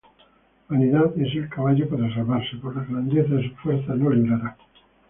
Vanidad es el caballo para salvarse: Por la grandeza de su fuerza no librará.